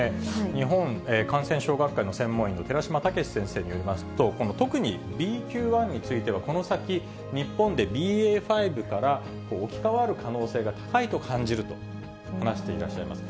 日本感染症学会の専門医の寺嶋毅先生によりますと、この特にＢＱ．１については、この先、日本でＢＡ．５から置き換わる可能性が高いと感じると話していらっしゃいます。